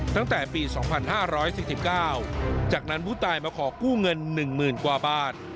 ตั้งแต่ปี๒๕๔๙จากนั้นผู้ตายมาขอกู้เงิน๑๐๐๐กว่าบาท